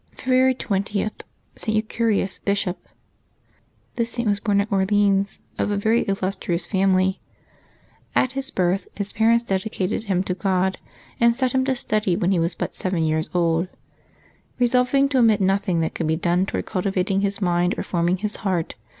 '' February 20.— ST. EUCHERIUS, Bishop. J^nHis Saint was born at Orleans, of a very illustrious ^J family. At his birth his parents dedicated him to God, and set him to study when he was but seven years old, resolving to omit nothing that could be done toward cultivating his mind or forming his heart.